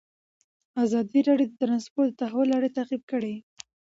ازادي راډیو د ترانسپورټ د تحول لړۍ تعقیب کړې.